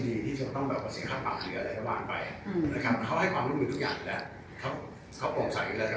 บางทีตัวดาราอาจจะไม่ได้ใช้จริงแต่ว่าทำเหมือนเพื่อการโฆษณาเพื่อการสร้างพลังธรรม